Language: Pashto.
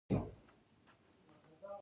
د بنیادونو سیستم هلته فعال دی.